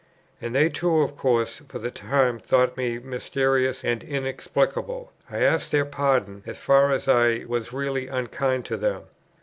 And they too of course for the time thought me mysterious and inexplicable. I ask their pardon as far as I was really unkind to them.